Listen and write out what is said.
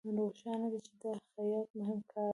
روښانه ده چې دا د خیاط مهم کار دی